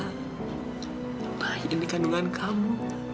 nahi ini kandungan kamu